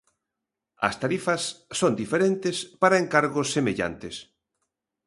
As tarifas son diferentes para encargos semellantes.